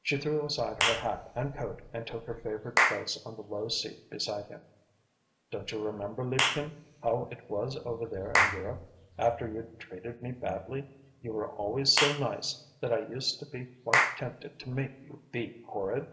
She threw aside her hat and coat and took her favourite place on the low seat beside him. "Don't you remember, liebchen, how it was over there in Europe after you'd treated me badly, you were always so nice, that I used to be quite tempted to make you be horrid?"